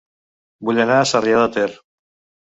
Vull anar a Sarrià de Ter